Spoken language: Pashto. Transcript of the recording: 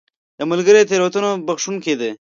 ملګری د تېروتنو بخښونکی دی